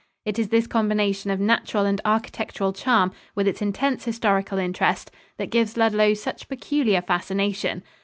It is this combination of natural and architectural charm, with its intense historical interest, that gives Ludlow such peculiar fascination.